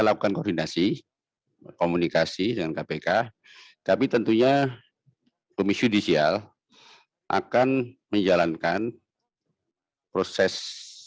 lakukan koordinasi komunikasi dengan kpk tapi tentunya komisi judisial akan menjalankan proses